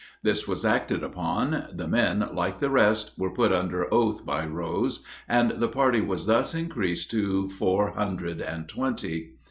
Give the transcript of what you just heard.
This was acted upon; the men, like the rest, were put under oath by Rose, and the party was thus increased to four hundred and twenty.